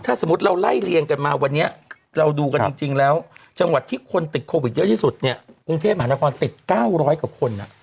ถ้าสมมุติเราไล่เรียงกันมาวันนี้เราดูกันจริงแล้วจังหวัดที่คนติดโควิดเยอะที่สุดเนี่ยกรุงเทพมหานครติด๙๐๐กว่าคน